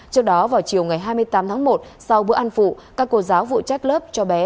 trước đó vào chiều ngày hai mươi tám tháng một sau bữa ăn phụ các cô giáo phụ trách lớp cho bé